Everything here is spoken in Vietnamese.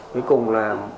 cuối cùng là